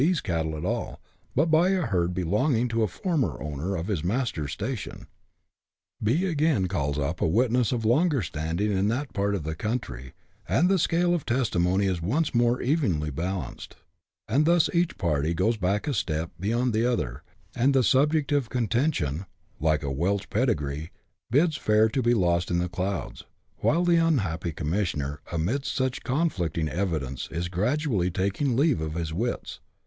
's cattle at all, but by a herd belonging to a former owner of his master's station. B. again calls up a witness of longer standing in that part of the country, and the scale of testimony is once more evenly balanced ; and thus each party goes back a step beyond the other, and the subject of contention, like a Welsh pedigree, bids fair to be lost in the clouds, while the unhappy commissioner, amidst such conflicting evidence, is gradually taking leave of his wits.